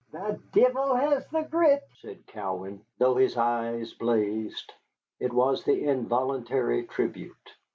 "The devil has the grit," said Cowan, though his eyes blazed. It was the involuntary tribute.